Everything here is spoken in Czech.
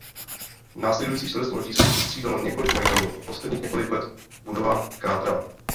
Následující čtvrt století se tu vystřídalo několik majitelů a posledních několik let budova chátrala.